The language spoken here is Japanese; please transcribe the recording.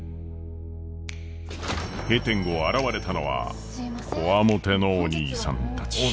閉店後現れたのはこわもてのおにいさんたち。